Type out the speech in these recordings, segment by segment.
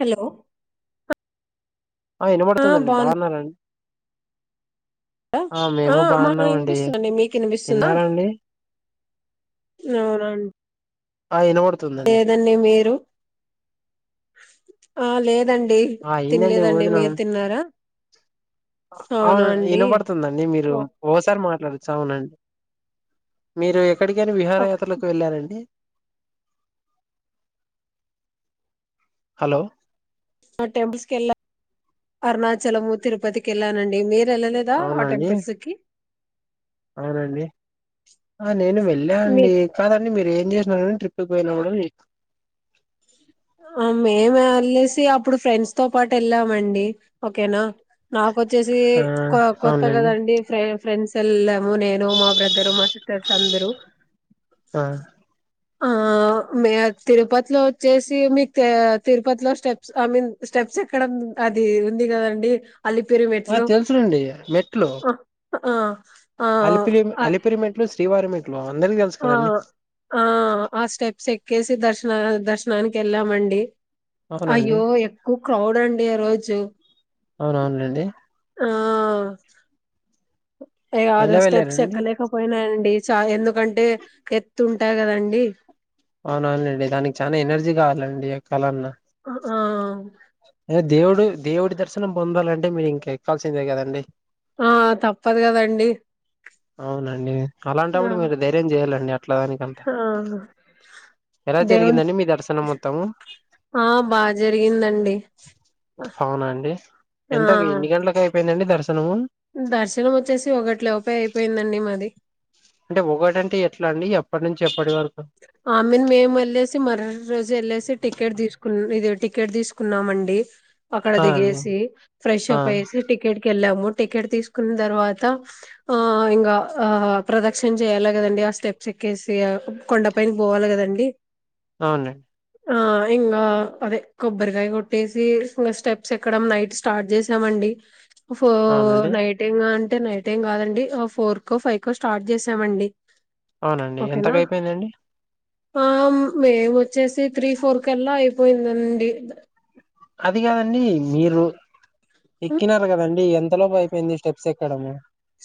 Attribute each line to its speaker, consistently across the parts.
Speaker 1: Hello
Speaker 2: ఆ వినబడుతుందండి బాగున్ననండి
Speaker 1: ఆ
Speaker 2: మేము
Speaker 1: మా
Speaker 2: బాగున్నామండి
Speaker 1: వినిపిస్తుందండి మీకు ఇనిపిస్తుందా
Speaker 2: తిన్నారండి
Speaker 1: అవునండి
Speaker 2: ఆ వినబడుతుందండి
Speaker 1: లేదండి మీరు ఆ లేదు లేదండి
Speaker 2: ఆ అయిందండి
Speaker 1: తినలేదండి
Speaker 2: భోజనం
Speaker 1: మీరు తిన్నారా అవునా
Speaker 2: అవును
Speaker 1: అండి
Speaker 2: వినబడుతుందండి మీరు
Speaker 1: ఓ
Speaker 2: ఓసారి మా డు చవునండి మీరు ఎక్కడికైనా
Speaker 1: ఓ-
Speaker 2: విహారయాత్రలకు వెళ్ళారండి హలో
Speaker 1: టెంపుల్స్ కెళ్ళా అరుణాచలము తిరుపతి కెళ్ళానండి మీరు వెళ్ళలేదా ఆ
Speaker 2: అవునండి
Speaker 1: టెంపుల్స్ కి
Speaker 2: అవునండి ఆ నేను
Speaker 1: మీ
Speaker 2: వెళ్ళానండి కాదండి మీరు ఏం చేసినా ట్రిప్కి వెళ్ళ [unintelligible]
Speaker 1: మేము యెలేసి అప్పుడు ఫ్రెండ్స్ తో పాటు వెళ్ళామండి ఓకేనా నాకొచ్చేసి
Speaker 2: ఆ
Speaker 1: కొత్త
Speaker 2: అవునండి
Speaker 1: కదండి ఫ్రె ఫ్రెండ్స్ యెళ్ళాము నేను మా బ్రదరు మా సిటర్స్ అందరూ
Speaker 2: ఆ
Speaker 1: ఆ మే తిరుపతిలో వచ్చేసి మీకు తిరుపతిలో స్టెప్స్ ఐ మీన్ స్టెప్స్ ఎక్కడం అది ఉంది గదండి అలిపిరు
Speaker 2: ఆ
Speaker 1: మెట్లు
Speaker 2: తెలుసునండి మెట్లు
Speaker 1: ఆ!
Speaker 2: అలిపిరి
Speaker 1: అది
Speaker 2: అలిపిరి మెట్లు శ్రీవారి మెట్లు అందరికి తెలుసు
Speaker 1: ఆ
Speaker 2: కదండి
Speaker 1: ఆ ఆ స్టెప్స్ ఎక్కేసి దర్శన దర్శ నానికి యెళ్ళా మండి
Speaker 2: అవునండి
Speaker 1: అయ్యో ఎక్కువ క్రౌడ్ అండి ఆ రోజు
Speaker 2: అవునవునండి
Speaker 1: ఆ ఏ
Speaker 2: ఎలా
Speaker 1: స్టెప్స్
Speaker 2: వెళ్ళారండి
Speaker 1: ఎక్కలేకపోయినా అండి చా ఎందుకంటే ఎత్తుంటాయి కదండి
Speaker 2: అవునా అండి దానికి చానా ఎనర్జీ కావాలండి యెక్కాళ్ళన్నా
Speaker 1: ఆ
Speaker 2: దేవుడు దేవుడి దర్శనం పొందాలంటే మీరు ఇంకా ఎక్కాల్సిందే గదండి
Speaker 1: ఆ! తప్పదు కదండి
Speaker 2: అవునండి
Speaker 1: ఆ
Speaker 2: అలాంటప్పుడు మీరు ధైర్యం జేయాలండి అ
Speaker 1: ఆ
Speaker 2: ఎలా
Speaker 1: దేవుని
Speaker 2: జరిగిందండి మీ దర్శనం మొత్తము
Speaker 1: ఆ బాగా జరిగిందండి
Speaker 2: అవునా అండి
Speaker 1: ఆ
Speaker 2: ఎంత ఎన్ని గంటలలకు అయిపోయిందండి దర్శనం
Speaker 1: దర్శనం వచ్చేసి ఒకటి లోపే అయిపోయిందండి మాది
Speaker 2: అంటే ఒకటంటే ఎట్లా అండి ఎప్పటి నుంచి ఎప్పటి వరకు
Speaker 1: ఆ మీన్ మేము యెళ్ళేసి మర రోజు యెళ్ళేసి టికెట్ దీసుకున్నాం ఇది టికెట్ దీసుకున్నామండి అక్కడ
Speaker 2: ఆ అండి
Speaker 1: దిగేసి ఫ్రెష్
Speaker 2: ఆ
Speaker 1: అప్ అయ్యెసి టికెట్ కెళ్ళాము టికెట్ తీసుకున్న తర్వాత ఆ ఇంగా ఆ ప్రదర్శన జేయాలా గదండి ఆ స్టెప్స్ యెక్కెసి కొండపైన బోవాలి గదండి
Speaker 2: అవునండి
Speaker 1: ఆ ఇంగా అదే కొబ్బరికాయ కొట్టేసి ఇంకా స్టెప్స్ ఎక్కడం నైట్ స్టార్ట్ జేసామండి ఫోర్
Speaker 2: అవునండి
Speaker 1: నైట్ ఇంగా అంటే అంటే నైట్ ఏం గాదండి ఫోర్ కో ఫైవ్ కో స్టార్ట్ జేసామండి
Speaker 2: అవునండి ఎంతక అయిపోయిందండి
Speaker 1: ఆ మేము వచ్చేసి త్రీ ఫోర్ కల్లా అయిపోయిందండి
Speaker 2: అది గాదండి మీరు
Speaker 1: హ్మ్.
Speaker 2: ఎక్కినారు గదండి ఎంతలోపు అయిపోయింది స్టెప్స్ ఎక్కడము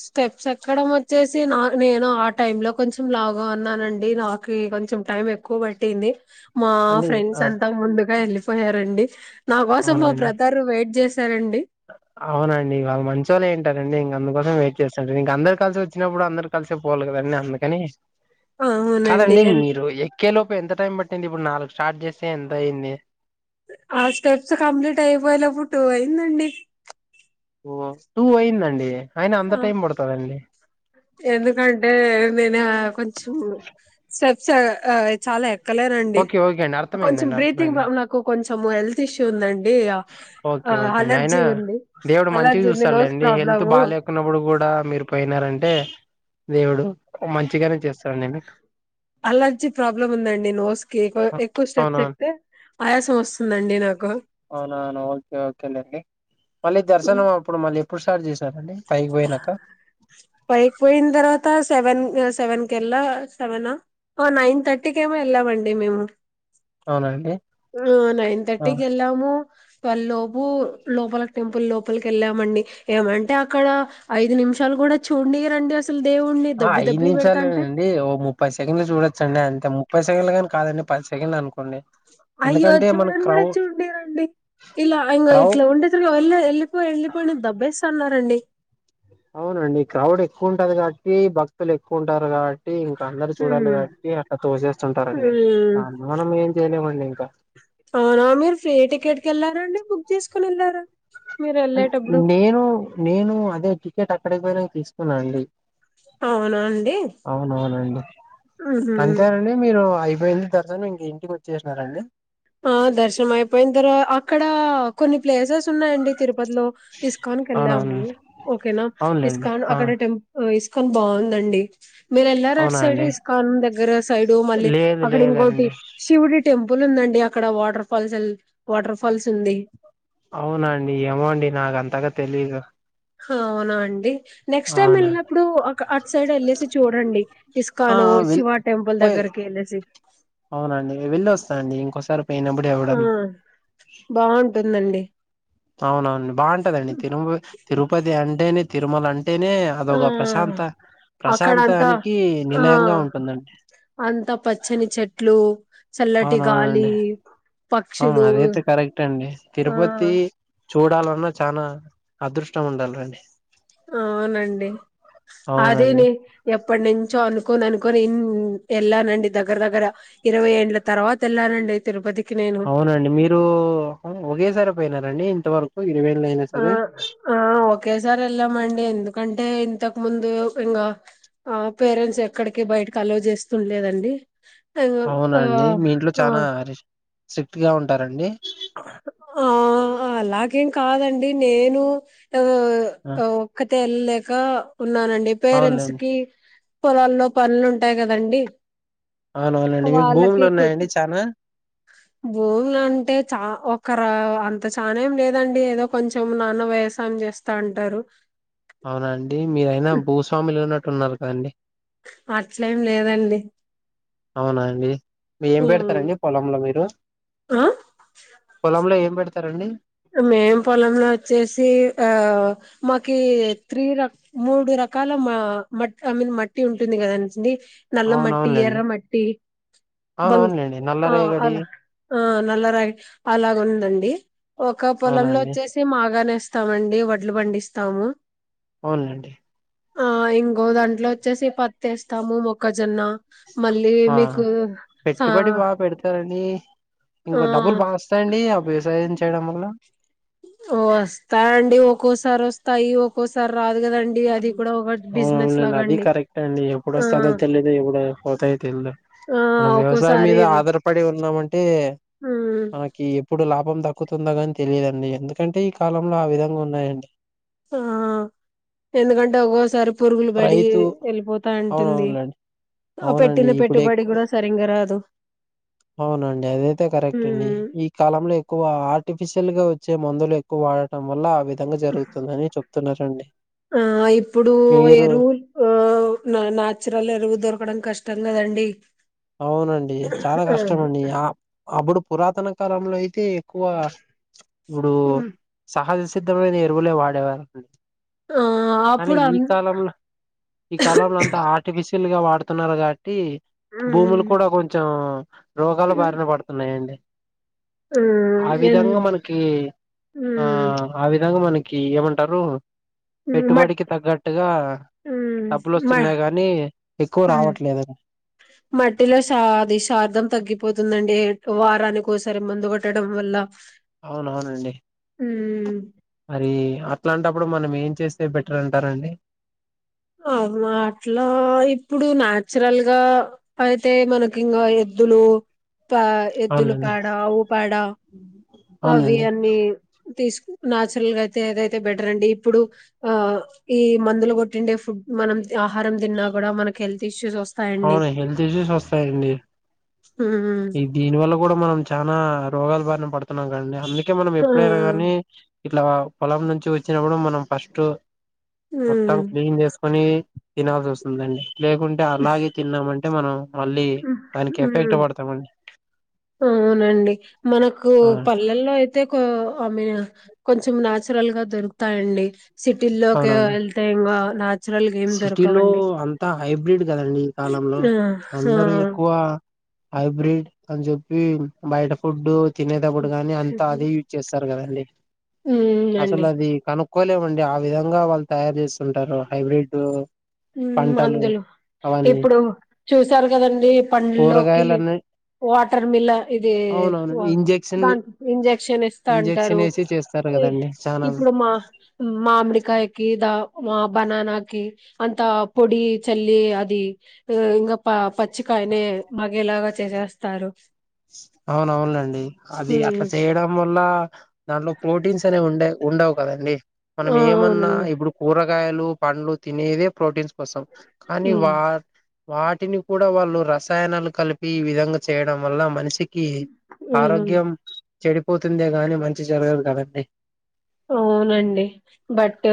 Speaker 1: స్టెప్స్ ఎక్కడం వచ్చేసి నా నేను ఆ టైం లో కొంచెం లావుగా ఉన్నానండి నాకు కొంచెం టైం ఎక్కువ పట్టింది మా
Speaker 2: అండి
Speaker 1: ఫ్రెండ్స్
Speaker 2: ఆ
Speaker 1: అంతా ముందుగా యెళ్ళిపోయారండి నా కోసం మా
Speaker 2: అవునండి
Speaker 1: బ్రదర్ వెయిట్ జేస్త ఆ [inaudible]
Speaker 2: అవునండి వాళ్ళు మంచోళ్ళు అయి ఉంటా రండి ఇంగ అందుకోసం వెయిట్ చేస్తురు ఇంక అందరు కలిసి వచ్చినప్పుడు అందరు కలిసే పోవాల గద అందుకని
Speaker 1: అవునండి
Speaker 2: కాదండి మీరు ఎక్కేలోప్ లోపు ఎంత టైం పట్టింది ఇప్పుడు నాలుగు స్టార్ట్ జేస్తే ఎంత అయింది
Speaker 1: ఆ స్టెప్స్ కంప్లీట్ అయిపోయేటప్పుడు టూ అయిందండి
Speaker 2: ఓ టూ అయిందండి అయిన అంత టైం పడతదా అండి
Speaker 1: ఎందుకంటే నేను కొంచెం స్టెప్స్ చాలా ఎ ఎక్కలేరండి
Speaker 2: ఓకే ఓకే అండి
Speaker 1: కొంచెం
Speaker 2: అర్థమైందండి
Speaker 1: బ్రీతింగ్
Speaker 2: అర్థమైందండి
Speaker 1: నాకు కొంచెం హెల్త్ ఇష్యూ ఉందండి
Speaker 2: ఓకే అండి ఆయన
Speaker 1: అలర్జీ ఉంది
Speaker 2: దేవుడు మంచిగా
Speaker 1: అలర్జీ ఉంది నోస్
Speaker 2: చూస్తలేండి హెల్త్
Speaker 1: ప్రాబ్లము
Speaker 2: బాగా లేకున్నప్పుడు కూడా మీరు పోయినారం టే దేవుడు మంచిగానే చేస్తాడు మీకు
Speaker 1: అలర్జీ ప్రాబ్లం ఉందండి నోస్ కి కొ ఎక్కువ స్టెప్స్
Speaker 2: అవునవును
Speaker 1: ఎక్తే ఆయాసం వస్తుందండి నాకు
Speaker 2: అవునా అవునా ఓకే ఓకేలేండి మళ్ళీ దర్శనం అప్పుడు మళ్ళీ ఎప్పుడు స్టార్ట్ చేశారండి పైకి పోయినాక
Speaker 1: పైకి పోయిన తర్వాత సెవెన్ సెవెన్ కెళ్లా సెవెనా ఆ నైన్ థర్టీకి ఏమో వెళ్ళామండి మేము
Speaker 2: అవునా అండి
Speaker 1: ఉమ్ నైన్ తర్టీకి వెళ్ళాము ట్వెల్వ్ లోపు లోపలకి టెంపుల్ లోపలికి వెళ్ళామండి ఏమంటే అక్కడ ఐదు నిమిషాలు కూడా చూడనీరండి అస్
Speaker 2: ఆ ఐదు నిమిషాలుేండి ఓ ముప్పై సెకండ్లు చూడొచ్చండి అంతే ముప్పై సెకండ్లు కాదండి పది సెకండ్లనుకో
Speaker 1: అయ్యో చూడను కూడా చూడినీరండి ఇలా ఇంగ
Speaker 2: క్రౌ
Speaker 1: ఇట్లా ఉండేకు వెళ్ళ వెళ్ళిపో వెళ్ళిపోండి అని దబ్బేస్తాన్నారండి
Speaker 2: అవునండి క్రౌడ్ ఎక్కువ ఉంటది కాబట్టి భక్తులు ఎక్కువ ఉంటారు కాబ ట్టి ఇంకా అందరు చూడాలి
Speaker 1: హ్మ్
Speaker 2: కాబట్టి అట్లా చూసేస్తుంటారండి
Speaker 1: హ్మ్
Speaker 2: దాన్ని మనం ఏం చేయలేమండి ఇంకా
Speaker 1: అవునా మీరు ఫ్రీ టికెట్ కెళ్లారాండి బుక్ చేసుకుని వెళ్లారా
Speaker 2: నేను నేను అదే టికెట్ అక్కడికి పోయినాకా తీసుకున్నా అండి
Speaker 1: అవునా అండి
Speaker 2: అవునవునండి
Speaker 1: ఊహూ
Speaker 2: అంతేనండి మీరు అయిపోయింది తర్చాన ఇంక ఇంటికి వచ్చేసినారండి
Speaker 1: ఆ దర్శనం అయిపోయిన తర్వా అక్కడ కొన్ని ప్లేసెస్ స్ ఉన్నాయండి తిరుపతిలో ఇస్కాన్
Speaker 2: అవునవును
Speaker 1: కెళ్ళాము ఓకేనా
Speaker 2: అవునులేండి
Speaker 1: ఇస్కాన్
Speaker 2: ఆ
Speaker 1: అక్కడ టెంపు ఇస్ స్కాన్ బాగుందండి మీరు ఎల్లారటు
Speaker 2: అవునా
Speaker 1: సైడ్
Speaker 2: అండి
Speaker 1: ఇస్కాన దగ్గర సైడ్ మళ్ళీ
Speaker 2: లేదు
Speaker 1: అక్కడ
Speaker 2: లేదండి
Speaker 1: ఇంకోటి శివుడి టెంపుల్ ఉందండి అక్కడ వాటర్ ఫాల్స్ ఎల్ వాటర్ ఫాల్స్ ఉంది
Speaker 2: అవునా అండి ఏమో అండి నాకు అంతగా తెలీదు
Speaker 1: అవునా అండి నెక్స్ట్ టైమ్
Speaker 2: అవునండి
Speaker 1: వెళ్ళినప్పుడు అటు సైడ్ వెళ్ళేసి చూడండి
Speaker 2: ఆ
Speaker 1: ఇస్కాను
Speaker 2: ఆ వెల్
Speaker 1: శివ టెంపుల్ దగ్గర కి వెళ్ళేసి
Speaker 2: అవునా అండి వెళ్ళి వస్తా అండి ఇంకోసారి పోయినప్పుడు
Speaker 1: ఆ
Speaker 2: ఎవడన్నా
Speaker 1: బాగుంటుందండి
Speaker 2: అవునవున బాగుంటదండి తిరుమ తిరుపతి అంటేనే తిరుమల అం టేనే
Speaker 1: ఆ
Speaker 2: అదొక ప్రశాంత
Speaker 1: అక్కడ అంతా
Speaker 2: ప్రశాంతానికి నిలయంగా
Speaker 1: ఆ
Speaker 2: ఉంటుందండి
Speaker 1: అంతా పచ్చని చెట్లు చల్లటి గాలి
Speaker 2: అవునవునండి
Speaker 1: పక్షులు
Speaker 2: అవును అదైతే కరెక్ట్ అండి
Speaker 1: ఆ
Speaker 2: తిరుపతి చూడాలన్నా చానా అదృష్టం ఉండాలండి
Speaker 1: అవునండి అది
Speaker 2: అవునండి
Speaker 1: నె ఎప్ ఇప్పటి నుంచో అనుకోని అనుకని ఎళ్ళానండి దగ్గర దగ్గర ఇరవై ఏండ్ల తర్వాత వెళ్ళానండి డి తిరుపతి
Speaker 2: అవునండి మీరు ఒకేసారే పోయినారండి ఇంతవరకు ఇరవైళ్ళయినా
Speaker 1: ఆ
Speaker 2: సరే
Speaker 1: ఆ ఓకే సార్ ఏళ్ళ మండి ఎందుకం టే ఇంతకు ముందు ఇంకా ఆ పేరెంట్స్ ఎక్కడికి బయటకి అలో చేస్తుండలేదండి ఇంగ
Speaker 2: అవునా
Speaker 1: ఆ
Speaker 2: అండి మీ ఇంట్లో
Speaker 1: ఆ
Speaker 2: చాలా రిస్ స్ట్రిక్ట్ గా ఉంటారండి
Speaker 1: ఆ అలాగేం కాదండి నేను అ
Speaker 2: ఆ
Speaker 1: ఒక్కతే వెళ్ళలేక ఉన్నానండి పేరెంట్స్
Speaker 2: అవునులేండి
Speaker 1: కి పొలాల్లో పనులు ఉంటాయి కదండి
Speaker 2: అవునవునండి మీకు భూములు ఉన్నాయండి చానా
Speaker 1: భూములంటే చ ఒకరు అంత చానా ఏం లేదండి ఏదో కొంచెం నాన్న వై వ్యసాయం చేస్తా అంటారు
Speaker 2: అవునండి మీరైనా భూస్వామిలు ఉన్నట్టు ఉన్నారు కదండి
Speaker 1: అట్లేం లేదండి
Speaker 2: అవునా అండి మీ ఏం
Speaker 1: ఉమ్.
Speaker 2: పెడతారండి పొలంలో మీరు
Speaker 1: ఆ
Speaker 2: పొలంలో ఏం పెడతారండి
Speaker 1: మేం పొలంలో వచ్చేసి ఆ మాకి త్రీ రక మూడు రక రకాల మట్ ఐ మీన్ మట్టి ఉంటుంది కాదండి నల్ల మట్టి
Speaker 2: అవునవునులేండి
Speaker 1: ఎర్ర మట్టి బం
Speaker 2: అవునవునులేండి
Speaker 1: ఆ
Speaker 2: నల్లరేగడి
Speaker 1: అలా ఆ నల్ల రాగడి అలాగ ఉందండి. ఒక పొలంలో
Speaker 2: అవునండి
Speaker 1: వచ్చేసి మాగానే వేస్తామండి వడ్లు పండిస్తాము.
Speaker 2: అవునులేండి.
Speaker 1: ఆ ఇంకో దాంట్లో వచ్చేసి పత్తిస్తాము మొక్క జోన్న మళ్ళీ
Speaker 2: ఆ
Speaker 1: మీకు
Speaker 2: పెట్టుబడి బాగా పెడతారండి
Speaker 1: ఆ
Speaker 2: ఇంకో డబ్బులు బాగా వస్తాయండి ఆ వ్యవసాయం చేయడం వల్ల
Speaker 1: ఓ వస్తా అండి ఒక్కోసారి వస్తాయి ఒక్కోసారి రాదు కదండి అది
Speaker 2: అవును
Speaker 1: కూడా ఒక బిజినెస్
Speaker 2: అవునండి అది
Speaker 1: లాగండి
Speaker 2: కరెక్ట్ ఏ అండి ఎప్పుడు
Speaker 1: ఆ
Speaker 2: వస్తుందో తెలియదు ఎప్పుడు పోతయితేల్ద
Speaker 1: ఆ
Speaker 2: మనం వ్యవసాయం
Speaker 1: ఒక్కోసారి
Speaker 2: మీద ఆధారపడి ఉన్నామంటే అంటే
Speaker 1: ఉమ్,
Speaker 2: మనకి ఎప్పుడు లాభం దక్కుతుందగా అని తెలిదండి ఎందుకంటే ఈ కాలంలో ఆ విధంగా ఉన్నాయండి.
Speaker 1: ఆ ఎందుకంటే ఒక్కోసారి పురుగులు బడి
Speaker 2: రైతు
Speaker 1: వెళ్ళిపోతా ఉంటుంది
Speaker 2: అవునవునులేండి
Speaker 1: ఆ
Speaker 2: అవునండి
Speaker 1: పెట్టిన
Speaker 2: ఇప్పుడు
Speaker 1: పెట్టుబడి
Speaker 2: ఎక్కువ
Speaker 1: కూడా సరింగా రాదు.
Speaker 2: అవునండి అదయితే కరెక్ట్ అండి
Speaker 1: ఉమ్
Speaker 2: ఈ కాలంలో ఎక్కువ ఆర్టిఫిషియల్ గా వచ్చే మందులు ఎక్కువ వాడటం వల్ల ఆ విధంగా జరుగుతుందని చెప్తున్నారండి.
Speaker 1: ఆ ఇప్పుడు
Speaker 2: మీరు
Speaker 1: ఎరువు ఆ నాచురల్ ఎరువు దొరకడం కష్టం కదండి. డి
Speaker 2: అవునండి చాలా కష్టమండి ఆ అప్పుడు పురాతన కాలంలో అయితే అయితే ఎక్కువ ఇప్పుడు సహజ సిద్ధమైన ఎరువులే వాడేవారు
Speaker 1: ఆ
Speaker 2: కానీ
Speaker 1: అప్పుడు అ
Speaker 2: ఈ కాలంంలో ఈ కాలంలో అంతా ఆర్టిఫిషి లుగా వాడుతున్నారు కాబట్టి భూములు కూడా కొంచెం రోగాల బారిన పడుతున్నాయండి. ఆ విధంగా మనకి ఆ ఆ విధంగా మనకి ఏమంటారు పెట్టుబడికి తగ్గట్టుగా డబ్బులు వస్తున్నాయి కాగానీ ఎక్కువ రావట్లేదుని
Speaker 1: మట్టిలో షాది శార్దం తగ్గిపోతుందండి వారానికిసారి ముందు కొట్టడం వల్ల
Speaker 2: అవునవునండి
Speaker 1: మ్మ్
Speaker 2: మరి అట్లాంటప్పుడు మనం ఏం చేస్తే బెటర్ అంటారండి
Speaker 1: అవు అట్లా ఇప్పుడు నాచురల్ గా అయితే మనకి ఇంకా ఏదులో పా ఎద్దులు
Speaker 2: అవునండి
Speaker 1: పాడ అవు పాడా అవి
Speaker 2: అవునండి
Speaker 1: అన్నీ తీసు నాచురల్ గా అయితే ఏదైతే బెటర్ అండి ఇప్పుడు ఆ ఈ మందులు కొట్టిండే ఫుడ్ మనం ఆహారం తిన్నా కూడా మనకి హెల్త్ ఇష్యూస్ వస్త
Speaker 2: అవునా హెల్త్ ఇష్యూస్ వస్తాయిండి
Speaker 1: ఉమ్
Speaker 2: ఈ దీని వల్ల కూడా మనం చనా రోగాల బారిన పడుతున్నాం కాండి అందుకే మనం ఎప్పుడైనా
Speaker 1: ఉమ్
Speaker 2: కానీ ఇట్లా పొలం నుంచి వచ్చినప్పుడు మనం ఫస్ట్ మొత్తం
Speaker 1: ఉమ్
Speaker 2: క్లీన్ చేసు కొని తినాల్సి వస్తుందండి లేకుంటే అలాగే తిన్నామంటే మనం మళ్ళీ దానికి
Speaker 1: ఉమ్
Speaker 2: ఎఫెక్ట్ పడుతా మండి.
Speaker 1: అవునండి మనకు
Speaker 2: ఆ
Speaker 1: పల్లెల్లో అయితే కొ ఐ మీన్ కొంచెం నాచురల్ గా దొరుకుతాయండి సిటీ లోకి వెళ్తే ఇంకా
Speaker 2: సిటీ లో అంతా హైబ్రిడ్ కదండి ఈ కాలంలో.
Speaker 1: ఆ! ఆ!
Speaker 2: అందరు ఎక్కువ హైబ్రిడ్ అని చెప్పి బయట ఫుడ్డు తినేటప్పుడు కానీ అంతా
Speaker 1: హుహు.
Speaker 2: అదే యూజ్ చేస్తారు కదండీ.
Speaker 1: హ్మ్ అండి.
Speaker 2: తట్టుకోలేమండి. ఆ విధంగా వాళ్ళు తయారు చేస్తుంటారు హైబ్రిడ్
Speaker 1: హ్మ్
Speaker 2: పంటలు
Speaker 1: మందులు
Speaker 2: అవన్నీ
Speaker 1: ఇప్పుడు చూసారు కదండి పండ్లలోకి
Speaker 2: కూరగాయలన్నీ
Speaker 1: వాటర్ మిల్లా ఇది
Speaker 2: అవునవును
Speaker 1: వా
Speaker 2: ఇంజెక్షన్
Speaker 1: దా ఇంజక్షన్ ఇస్తా
Speaker 2: ఇంజెక్షన్
Speaker 1: అంటారు.
Speaker 2: వేసి చేస్తారు కదండి చానా
Speaker 1: ఇప్పుడు మా మామిడికాయకి దా ఆ బనానాకి అంత పొడి చల్లి అది ఆ ఇంగాపా పచ్చికాయనే మాగేలాగా చేసేస్తారు.
Speaker 2: అవునవునులేండి అది అట్లా
Speaker 1: ఉమ్
Speaker 2: చేయడం మళ్లా దాంట్లో ప్రోటీన్స్ అనేవి ఉండయి ఉండవు కదండి. మనం
Speaker 1: ఆ
Speaker 2: ఏమన్నా
Speaker 1: అవునండి
Speaker 2: ఇప్పుడు కూర కూరకాయలు పండ్లు తినేదే ప్రోటీన్స్ కోసం కానీ
Speaker 1: ఉమ్
Speaker 2: వా వాటిని కూడా వాళ్ళు రసాయనాలు కలిపి ఈ విధంగా చేయడం వల్ల మనిషికి కి
Speaker 1: ఉమ్
Speaker 2: ఆరోగ్యం చెడిపోతుందే గాని మంచి జరగదు కదండి.
Speaker 1: అవునండి బట్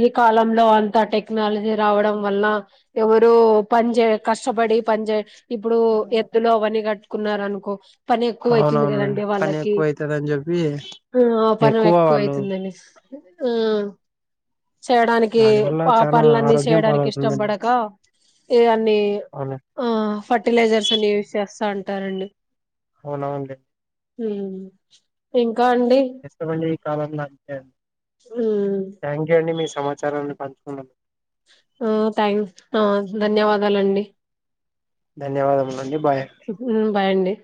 Speaker 1: ఈ కాలంలో అంత టెక్నాలజీ రావడం వళనా ఎవరో పనిచేయ కష్టపడి పనిచేయ ఇప్పుడు ఎద్దులు అవన్ని కట్టుకున్నారు అనుకో పని ఎక్కువ అయితుంది
Speaker 2: అవునవునండి
Speaker 1: కదండి
Speaker 2: పని
Speaker 1: వాళ్ళకి.
Speaker 2: ఎక్కువ అవుతుందని చెప్పి
Speaker 1: ఆ పని
Speaker 2: ఎక్కువ
Speaker 1: ఎ
Speaker 2: వాళ్ళు
Speaker 1: ఎక్కువైయితుందనేసి ఆ చేయడానికి
Speaker 2: దాని వల్ల
Speaker 1: ప
Speaker 2: చానా
Speaker 1: పనులన్నీ
Speaker 2: ఆరోగ్యం
Speaker 1: చేయడానికి ఇష్టం
Speaker 2: పాలవుతుందండి
Speaker 1: పడకా ఇవన్నీ
Speaker 2: అవును
Speaker 1: ఆ ఫర్టిలైజర్స్ అన్ని యూస్ చేస్తంటారండి.
Speaker 2: అవునవునులే.
Speaker 1: హ్మ్ ఇంక్
Speaker 2: కష్టమండి ఈ కాలంలా అంతే
Speaker 1: ఉమ్.
Speaker 2: థ్యాంక్యూ అండి మీ సమాచారాన్ని పంచుకున్నందుకు.
Speaker 1: ఆ థ్యాంక్ ఆ ధన్యవాదాలండి.
Speaker 2: ధన్యవాదము.
Speaker 1: హుహ్ బాయ్ అండి.